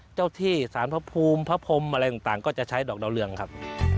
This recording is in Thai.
เจ้าที่สารพระภูมิพระพรมอะไรต่างก็จะใช้ดอกดาวเรืองครับ